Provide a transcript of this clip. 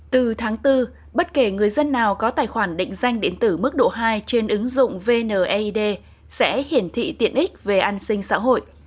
từ tháng bốn bất kể người dân nào có tài khoản định danh điện tử mức độ hai trên ứng dụng vneid sẽ hiển thị tiện ích về an sinh xã hội